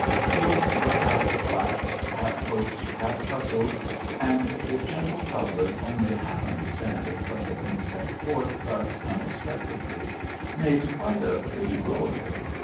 He was got out at last, half coaxed, half hustled; and the gentle public only half understanding what had been set forth thus unexpectedly, made quite a pretty row of it.